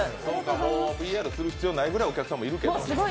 ＰＲする必要がないぐらいお客さんがいるけど。